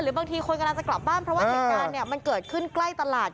บางทีคนกำลังจะกลับบ้านเพราะว่าเหตุการณ์มันเกิดขึ้นใกล้ตลาด